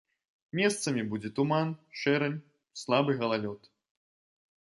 Месцамі будзе туман, шэрань, слабы галалёд.